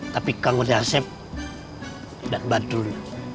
tapi kang udasep dan badrun